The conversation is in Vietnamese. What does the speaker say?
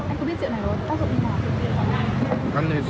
anh có biết rượu này có tác dụng như nào không